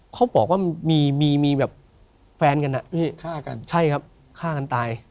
เขาบอกว่ามีมีแบบแฟนกันอ่ะฆ่ากันใช่ครับฆ่ากันตาย